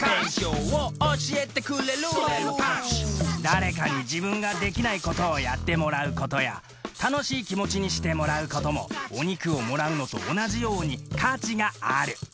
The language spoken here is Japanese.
誰かに自分ができないことをやってもらうことや楽しい気持ちにしてもらうこともお肉をもらうのと同じように価値がある。